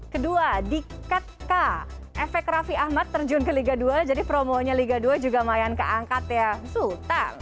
kedua diket k efek raffi ahmad terjun ke liga dua jadi promonya liga dua juga mayan keangkat ya sultan